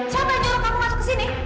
siapa yang nyolong kamu masuk ke sini